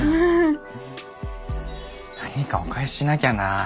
何かお返ししなきゃなあ。